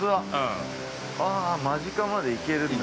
◆ああ、間近まで行けるんだ。